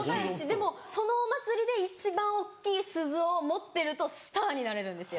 でもそのお祭りで一番大っきい鈴を持ってるとスターになれるんですよ。